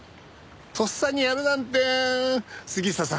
とっさにやるなんて杉下さん